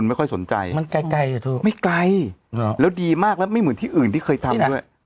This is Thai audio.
ไม่ไกลแล้วดีมากแล้วไม่เหมือนที่อื่นที่เคยทำด้วย